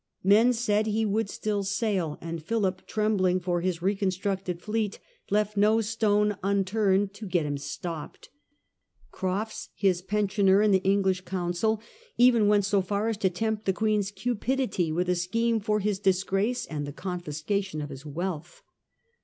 Men said he would still sail ; and Philip, trembling for his reconstructed fleet, left no stone unturned to get him stopped. Crofts, his pensioner in the English Council, even went so far as to tempt the Queen's cupidity with a scheme^ for his disgrace and the confiscation of his wealth.